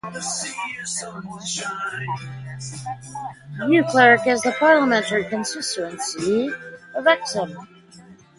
Beauclerc is in the parliamentary constituency of Hexham.